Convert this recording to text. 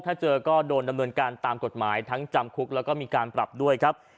ถ้าเจอก็โดนดำเนินการตามกฎหมายทั้งจำคุกแล้วก็มีการปรับด้วยครับ